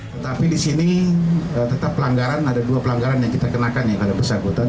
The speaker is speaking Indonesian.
tetapi di sini tetap pelanggaran ada dua pelanggaran yang kita kenakan yang pada bersangkutan